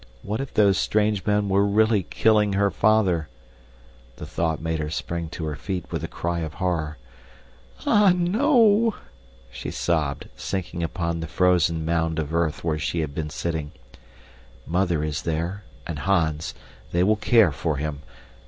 What if those strange men were really killing her father! The thought made her spring to her feet with a cry of horror. "Ah, no!" She sobbed, sinking upon the frozen mound of earth where she had been sitting. Mother is there, and Hans. They will care for him.